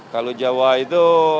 kalau jawa itu